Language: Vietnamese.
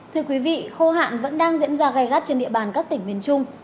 thưa quý vị khô hạn vẫn đang diễn ra gai gắt trên địa bàn các tỉnh miền trung